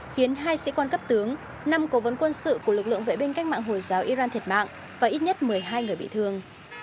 khiến hai sĩ quan cấp tướng năm cố vấn quân sự của lực lượng vệ binh cách mạng hồi giáo iran thiệt mạng và ít nhất một mươi hai người bị thương